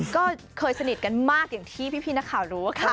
ก็เคยสนิทกันมากอย่างที่พี่นักข่าวรู้ค่ะ